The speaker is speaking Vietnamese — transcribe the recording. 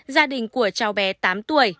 gia đình của cháu bé tám tuổi